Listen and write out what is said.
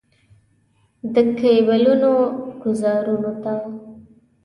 د کیبلونو ګوزارونو ته.